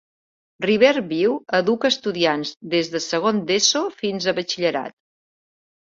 Riverview educa estudiants des de segon d'ESO fins a Batxillerat.